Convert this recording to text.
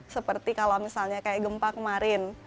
seperti kalau misalnya kayak gempa kemarin